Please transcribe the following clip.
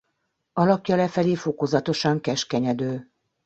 Alakja lefelé fokozatosan keskenyedő.